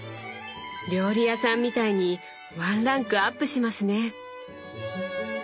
料理屋さんみたいにワンランクアップしますね！